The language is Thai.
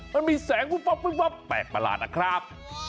มันมีแสงวุบแปลกประหลาดนะครับ